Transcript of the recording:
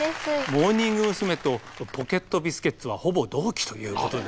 モーニング娘。とポケットビスケッツはほぼ同期ということで。